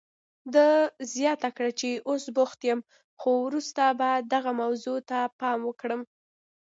ده زیاته کړه، اوس بوخت یم، خو وروسته به دغې موضوع ته پام وکړم.